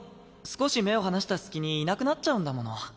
少し目を離した隙にいなくなっちゃうんだもの。